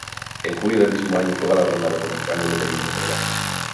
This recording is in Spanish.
En julio del mismo año fue galardonado con el rango de teniente general.